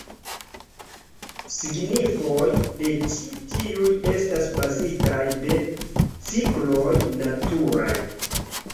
Signifoj de ĉi tiuj estas bazitaj de cikloj naturaj.